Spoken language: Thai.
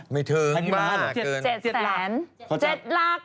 ไม่เทิงมากเกิน๗แสน